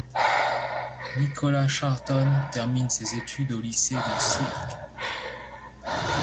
Nicolas Charton termine ses études au lycée de Sierck.